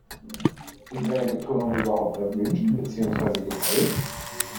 Ist eine Betonung überhaupt erwünscht, beziehungsweise gewollt?